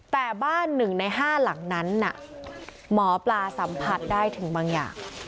แต่บ้านหนึ่งในห้าหลังนั้นน่ะหมอปลาสัมผัสได้ถึงบางอย่าง